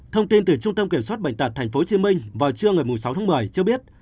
thông tin từ trung tâm kiểm soát bệnh tật tp hcm vào trưa ngày sáu tháng một mươi cho biết